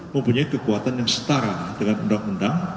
mempunyai kekuatan yang setara dengan undang undang